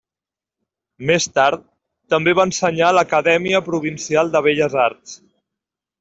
Més tard, també va ensenyar a l'Acadèmia Provincial de Belles Arts.